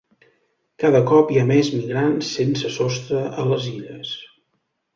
Cada cop hi ha més migrants sense sostre a les Illes